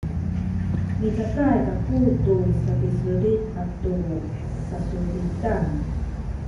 micakay kaku tu sapisulit atu sasulitan